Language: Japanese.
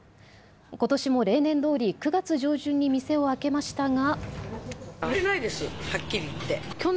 ことしも例年どおり９月上旬に店を開けましたが。